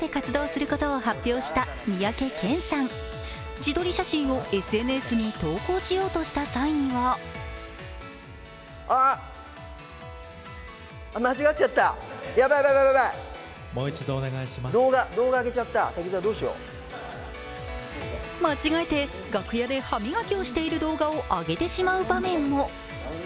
自撮り写真をＳＮＳに投稿しようとした際には間違えて楽屋で歯磨きをしている動画を上げてしまう場面も。